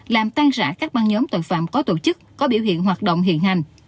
làm tăng giả các băng nhóm tội phạm có tổ chức có biểu hiện hoạt động hiện hành